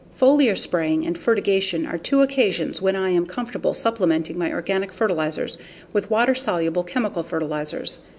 Foliar spraying and fertigation are two occasions when I am comfortable supplementing my organic fertilizers with water soluble chemical fertilizers.